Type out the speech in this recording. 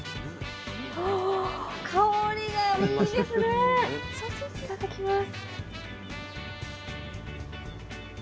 いただきます。